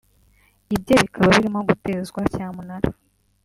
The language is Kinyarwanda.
ibye bikaba birimo gutezwa cyamunara